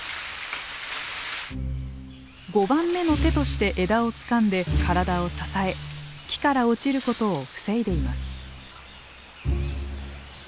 ５番目の手として枝をつかんで体を支え木から落ちることを防いでいます。